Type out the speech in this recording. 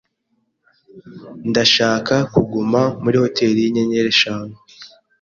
Ndashaka kuguma muri hoteri yinyenyeri eshanu.